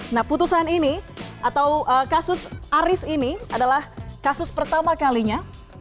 nah putusan ini atau kasus aris ini adalah kasus pertama kalinya